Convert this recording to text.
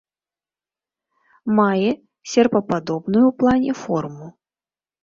Мае серпападобную ў плане форму.